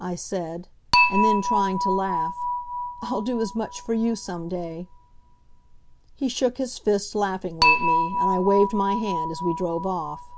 I said, and then, trying to laugh: "I'll do as much for you some day." He shook his fist laughingly at me, and I waved my hand as we drove of.